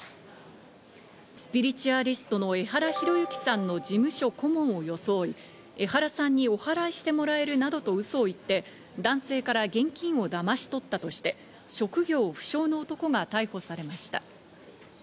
スピリチュアリストの江原啓之さんの事務所顧問を装い、江原さんにお祓いしてもらえるなどとうそを言って、男性から現金をだまし取ったとして、職業不詳の男が逮捕されました。